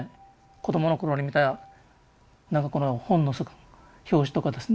子供の頃に見たなんかこの本の表紙とかですね